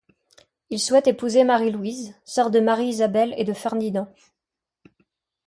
Il souhaite épouser Marie-Louise, sœur de Marie-Isabelle et de Ferdinand.